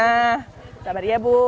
nah selamat iya bu